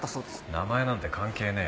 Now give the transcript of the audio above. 名前なんて関係ねえ。